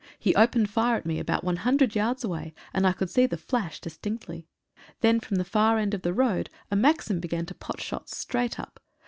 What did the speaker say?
He opened fire at me about one hundred yards away, and I could see the flash dis tinctly. Then from the far end of the road a maxim began to pot shots straight up.